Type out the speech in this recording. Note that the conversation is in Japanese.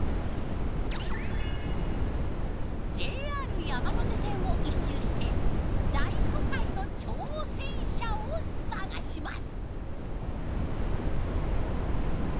ＪＲ山手線を一周して「大都会の挑戦者」を探します。